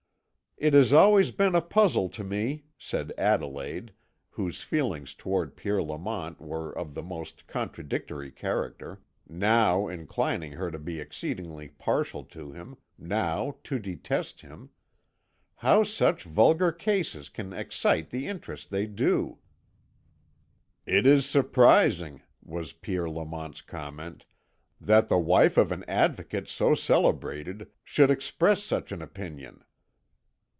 "It has always been a puzzle to me," said Adelaide, whose feelings towards Pierre Lamont were of the most contradictory character now inclining her to be exceedingly partial to him, now to detest him "how such vulgar cases can excite the interest they do." "It is surprising," was Pierre Lamont's comment, "that the wife of an Advocate so celebrated should express such an opinion."